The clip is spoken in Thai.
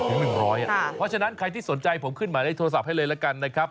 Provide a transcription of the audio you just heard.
เพราะฉะนั้นใครที่สนใจผมขึ้นหมายเลขโทรศัพท์ให้เลยละกันนะครับ